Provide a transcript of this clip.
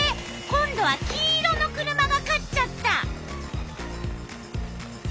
今度は黄色の車が勝っちゃった。